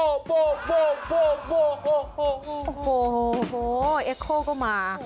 โอ้โหเอโครก็มา